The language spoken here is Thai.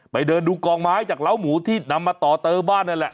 เดินดูกองไม้จากเล้าหมูที่นำมาต่อเติมบ้านนั่นแหละ